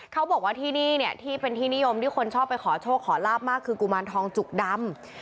เขาบอกว่าที่นี่เนี่ยที่เป็นที่นิยมที่คนชอบไปขอโชคขอลาบมากคือกุมารทองจุกดำ